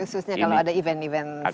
khususnya kalau ada event event